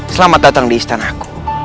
selamat datang di istanaku